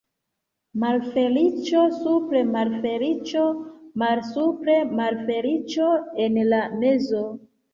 Malfeliĉo supre, malfeliĉo malsupre, malfeliĉo en la mezo.